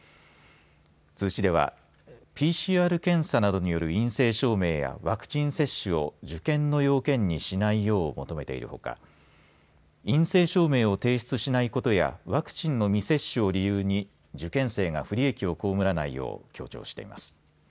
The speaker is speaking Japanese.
通知ではＰＣＲ検査などによる陰性証明やワクチン接種を受験の要件にしないよう求めているほか陰性証明を提出しないことやワクチンの未接種を理由に受験生が不利益を被らないよう強調しています。